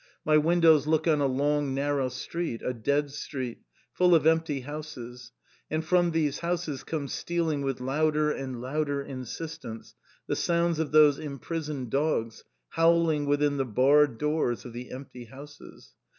My windows look on a long narrow street, a dead street, full of empty houses, and from these houses come stealing with louder and louder insistence the sounds of those imprisoned dogs howling within the barred doors of the empty houses.